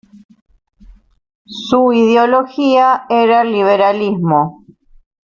Su ideología era el liberalismo.